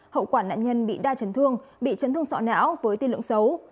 hậu quả nạn nhân bị đai trấn thương bị trấn thương sọ não với tiên lượng xấu